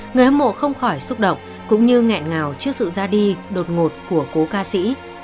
người hâm mộ không khỏi xúc động cũng như nghẹn ngào trước sự ra đi đột ngột của cố ca sĩ